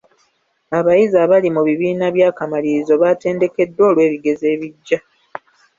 Abayizi abali mu bibiina by'akamalirizo baatendekeddwa olw'ebigezo ebijja.